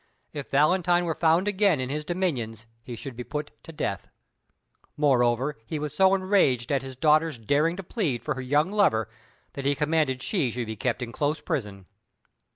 If Valentine were found again in his dominions he should be put to death. Moreover, he was so enraged at his daughter's daring to plead for her young lover that he commanded she should be kept in close prison.